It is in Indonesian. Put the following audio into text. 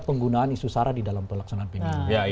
penggunaan isu sara di dalam pelaksanaan pemilu